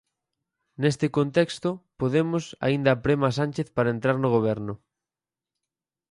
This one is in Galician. Neste contexto, Podemos aínda aprema a Sánchez para entrar no Goberno.